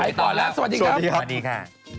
ไปต่อแล้วสวัสดีครับสวัสดีครับสวัสดีค่ะ